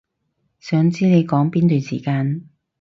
想知你講邊段時間